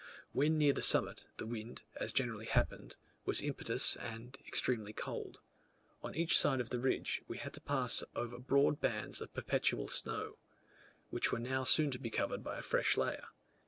When near the summit, the wind, as generally happens, was impetuous and extremely cold. On each side of the ridge, we had to pass over broad bands of perpetual snow, which were now soon to be covered by a fresh layer.